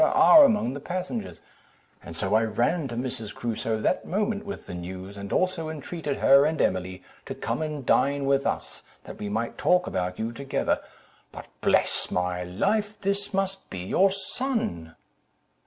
are among the passengers;' so I ran to Mrs. Crusoe that moment with the news, and also entreated her and Emily to come and dine with us, that we might talk about you together: but, bless my life, this must be your son!"